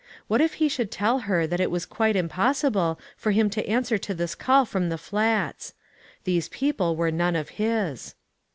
What if he should tell her that it was quite impossible for him to answer to this call from the Flats? These people were none of his.